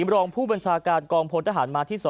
รองผู้บัญชาการกองพลทหารมาที่๒